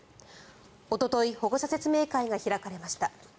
おととい保護者説明会が開かれました。